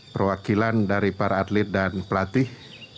perwakilan dari para atlet dan pelatih